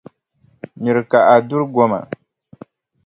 Miri ka a duri goma.